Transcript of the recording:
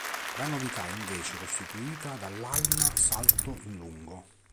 La novità è invece costituita dall'halma-salto in lungo.